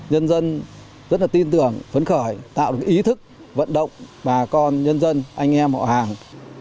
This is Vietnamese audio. nhân dân rất là tin tưởng phấn khởi tạo được ý thức vận động bà con nhân dân anh em họ hàng